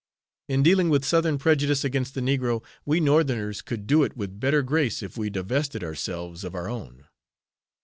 In dealing with Southern prejudice against the negro, we Northerners could do it with better grace if we divested ourselves of our own.